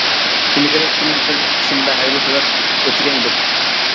ئىلگىرى ئىككىمىز بىر قىسىمدا ھەربىي خىزمەت ئۆتىگەن ئىدۇق.